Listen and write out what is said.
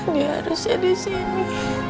dia harusnya di sini